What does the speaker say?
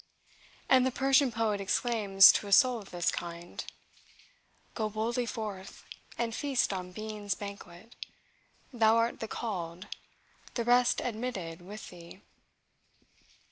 And the Persian poet exclaims to a soul of this kind: "Go boldly forth, and feast on being's banquet; Thou art the called, the rest admitted with thee."